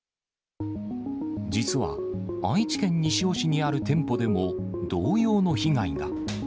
実は愛知県西尾市にある店舗でも、同様の被害が。